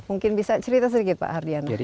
mungkin bisa cerita sedikit pak hardiana